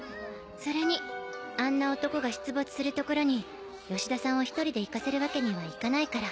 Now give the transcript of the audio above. それにあんな男が出没する所に吉田さんを１人で行かせるわけにはいかないから。